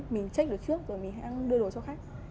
mình check được trước rồi mình hãy đưa đồ cho khách